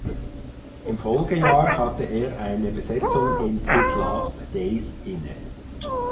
Im Folgejahr hatte er eine Besetzung in "His Last Days" inne.